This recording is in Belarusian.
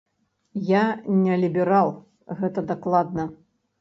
Я не ліберал, гэта дакладна.